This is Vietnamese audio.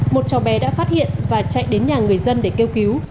một cháu bé đã phát hiện và chạy đến nhà người dân để kêu cứu